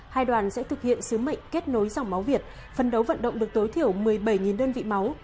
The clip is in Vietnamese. hai đoàn sẽ thực hiện sứ mệnh kết nối dòng máu việt phân đấu vận động được tối thiểu một mươi bảy đơn vị máu